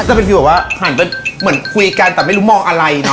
ก็เป็นทีว่าว่าหั่นเป็นเหมือนคุยกันแต่ไม่รู้มองอะไรเนอะ